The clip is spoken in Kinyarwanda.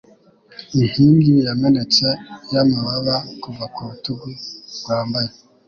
Inkingi yamenetse yamababa kuva ku rutugu rwambaye,